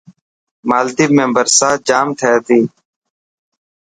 مالديپ ۾ برسات جام ٿي تي.